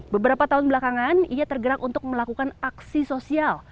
beberapa tahun belakangan ia tergerak untuk melakukan aksi sosial